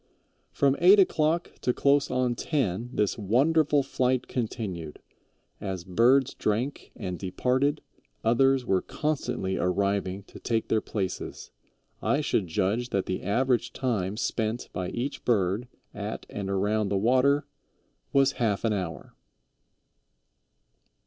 "From eight o'clock to close on ten this wonderful flight continued; as birds drank and departed, others were constantly arriving to take their places. I should judge that the average time spent by each bird at and around the water was half an hour."